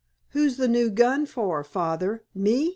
"Who's the new gun for, Father—me?"